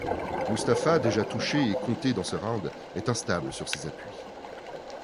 Mustafa, déjà touché et compté dans ce round, est instable sur ses appuis.